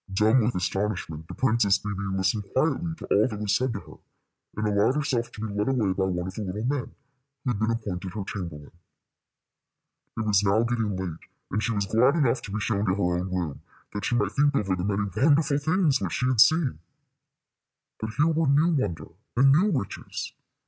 Dumb with astonishment, the Princess Bébè listened quietly to all that was said to her, and allowed herself to be led away by one of the little men, who had been appointed her chamberlain. It was now getting late, and she was glad enough to be shown to her own room, that she might think over the many wonderful things which she had seen. But here were new wonder and new riches.